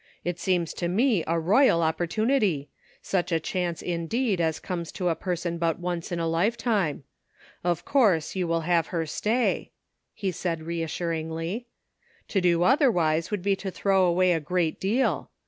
It seems to me a royal opportunity — such a chance, indeed, as comes to a person but once in a lifetime. Of course you wiU have her stay," he added reassuringly. "To do othei'wise would be to throw away a great deal.